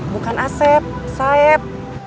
bukan asep saep